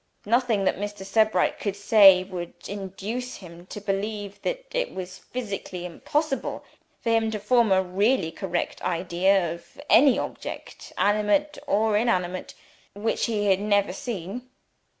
Nothing that Mr. Sebright could say would induce him to believe that it was physically impossible for him to form a really correct idea of any object, animate or inanimate, which he had never seen.